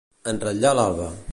En ratllar l'alba.